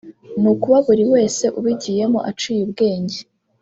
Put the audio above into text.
ni ukuba buri wese ubigiyemo aciye ubwenge